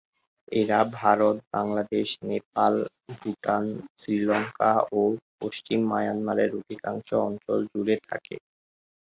এরা ভারত, বাংলাদেশ, নেপাল, ভুটান, শ্রীলঙ্কা ও পশ্চিম মায়ানমারের অধিকাংশ অঞ্চল জুড়ে থাকে।